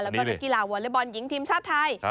แล้วก็นักกีฬาวอเล็กบอลหญิงทีมชาติไทย